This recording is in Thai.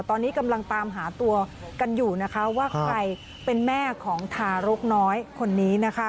ตอนนี้กำลังตามหาตัวกันอยู่นะคะว่าใครเป็นแม่ของทารกน้อยคนนี้นะคะ